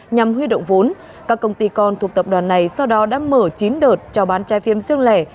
nhằm huy động vốn các công ty con thuộc tập đoàn này sau đó đã mở chín đợt trao bán trái phim riêng lẻ